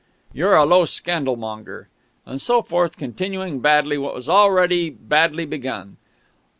"You're a low scandalmonger!..." And so forth, continuing badly what was already badly begun.